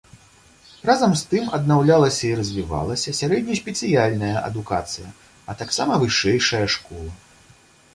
Разам з тым аднаўлялася і развівалася сярэднеспецыяльная адукацыя, а таксама вышэйшая школа.